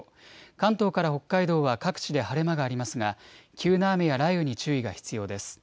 関東から北海道は各地で晴れ間がありますが急な雨や雷雨に注意が必要です。